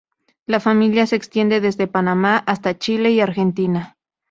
La familia se extiende desde Panamá hasta Chile y Argentina.